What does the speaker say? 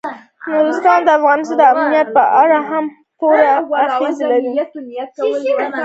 نورستان د افغانستان د امنیت په اړه هم پوره اغېز لري.